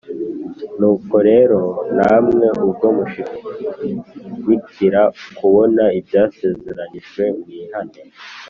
Nuko rero namwe ubwo mushimikira kubona ibyasezeranijwe mwihane